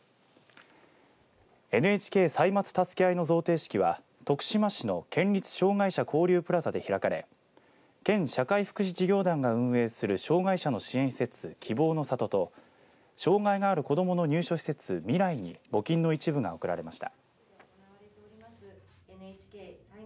ＮＨＫ歳末たすけあいの贈呈式は徳島市の県立障がい者交流プラザで開かれ県社会福祉事業団が運営する障害者の支援施設希望の郷と障害がある子どもの入所施設未来に募金の一部が贈られました。